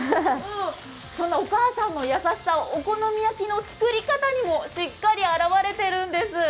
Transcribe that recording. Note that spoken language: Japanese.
そのお母さんの優しさがお好み焼きの作り方にもしっかり表れているんです。